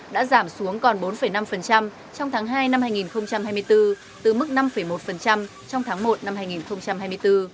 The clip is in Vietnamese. đã giảm xuống còn bốn năm trong tháng hai năm hai nghìn hai mươi bốn từ mức năm một trong tháng một năm hai nghìn hai mươi bốn